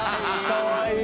かわいい。